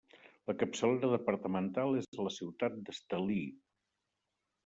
La capçalera departamental és la ciutat d'Estelí.